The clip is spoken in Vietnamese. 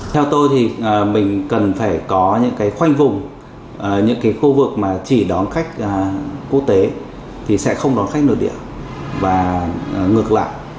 theo tôi thì mình cần phải có những cái khoanh vùng những khu vực mà chỉ đón khách quốc tế thì sẽ không đón khách nội địa và ngược lại